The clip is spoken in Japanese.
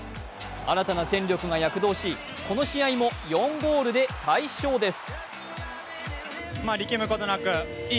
新たな戦力が躍動し、この試合も４ゴールで大勝です。